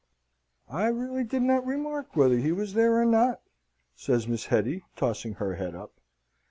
"I really did not remark whether he was there or not," says Miss Hetty, tossing her head up.